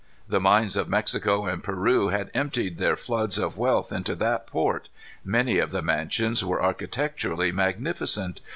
The mines of Mexico and Peru had emptied their floods of wealth into that port. Many of the mansions were architecturally magnificent.